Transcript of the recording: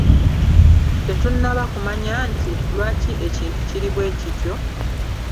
Tetunnaba kumanya nti: Lwaki ekintu kiri bwe kityo?